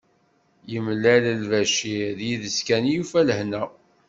Yemlal-d Lbacir, yid-s kan i yufa lehna.